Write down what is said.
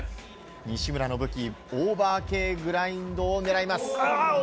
西村の武器オーバーＫグラインドを狙います。